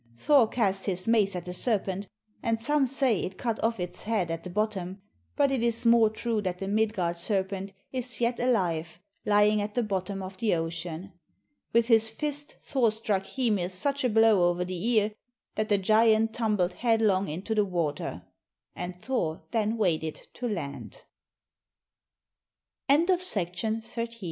Thor cast his mace at the serpent, and some say it cut off its head at the bottom, but it is more true that the Midgard serpent is yet alive lying at the bottom of the ocean. With his fist Thor struck Hymir such a blow over the ear that the giant tumbled headlong into the water, and Thor then waded to land. THE DEATH OF BALDUR. Baldur the Good had